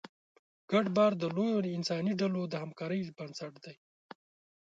ګډ باور د لویو انساني ډلو د همکارۍ بنسټ دی.